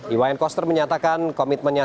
iwayan koster menyatakan komitmennya